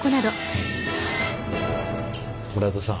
村田さん。